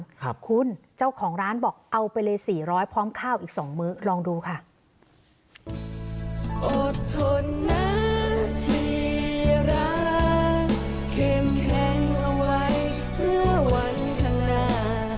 เข้มแข็งเอาไว้เพื่อวันข้างหน้า